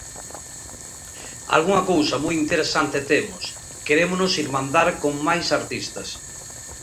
Algunha cousa moi interesante temos, querémonos irmandar con mais artistas.